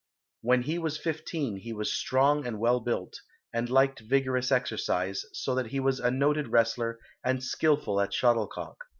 When he was fifteen he was strong and well built, and liked vigorous exercise, so that he was a noted wrestler and skilful at shuttlecock.